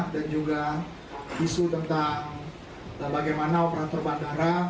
dan juga isu tentang bagaimana operator bandara